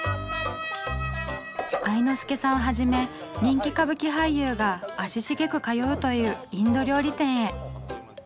愛之助さんはじめ人気歌舞伎俳優が足しげく通うというインド料理店へ。